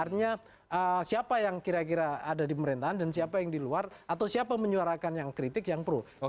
artinya siapa yang kira kira ada di pemerintahan dan siapa yang di luar atau siapa menyuarakan yang kritik yang pro